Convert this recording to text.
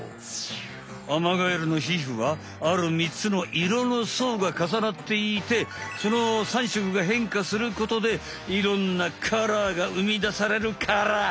アマガエルのひふはある３つの色のそうがかさなっていてその３色がへんかすることでいろんなカラーがうみだされるカラー。